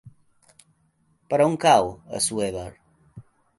Per on cau Assuévar?